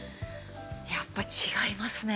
やっぱ違いますね。